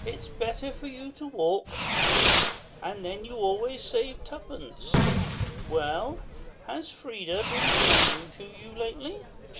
It's better for you to walk and then you always save twopence. Well, has Frida been playing to you lately?